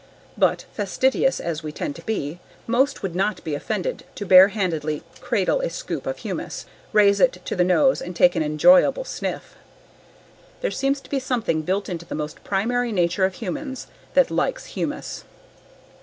But, fastidious as we tend to be, most would not be offended to barehandedly cradle a scoop of humus, raise it to the nose, and take an enjoyable sniff. There seems to be something built into the most primary nature of humans that likes humus.